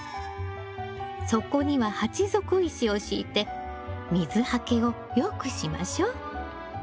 底には鉢底石を敷いて水はけをよくしましょう。